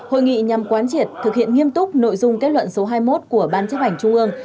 hội nghị nhằm quán triệt thực hiện nghiêm túc nội dung kết luận số hai mươi một của ban chấp hành trung ương